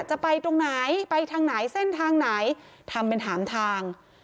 จะไปตรงไหนไปทางไหนเส้นทางไหนทำเป็นถามทาง